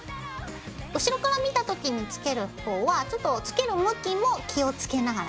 後ろから見た時に付ける方はちょっと付ける向きも気を付けながらね。